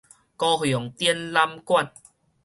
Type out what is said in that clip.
高雄展覽館